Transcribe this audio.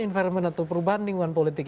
environment atau perubahan lingkungan politik